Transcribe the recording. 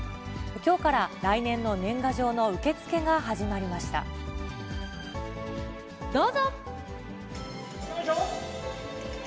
きょうから来年の年賀状の受け付どうぞ。